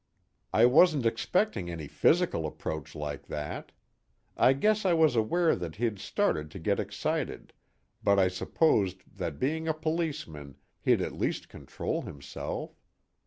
I wasn't expecting any physical approach like that. I guess I was aware that he'd started to get excited, but I supposed that being a policeman, he'd at least control himself.